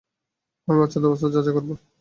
আমি বাচ্চাদের অবস্থার যাচাই করবো।